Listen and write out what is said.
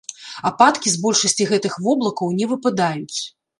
Ападкі з большасці гэтых воблакаў не выпадаюць.